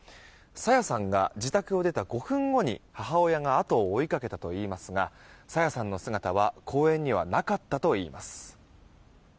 朝芽さんが自宅を出た５分後に母親が後を追いかけたといいますが朝芽さんの姿は公園にはなかったといいます。